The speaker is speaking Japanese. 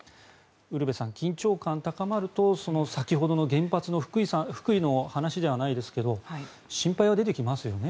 ウルヴェさん緊張感が高まると先ほどの原発の福井の話じゃないですけど心配は出てきますよね。